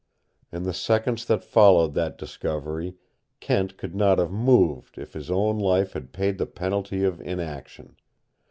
In the seconds that followed that discovery Kent could not have moved if his own life had paid the penalty of inaction.